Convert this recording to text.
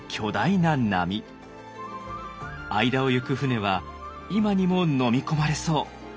間を行く舟は今にものみ込まれそう。